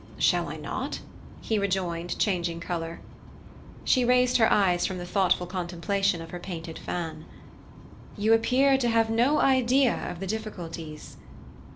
"Shall I not?" he rejoined, changing colour. She raised her eyes from the thoughtful contemplation of her painted fan. "You appear to have no idea of the difficulties."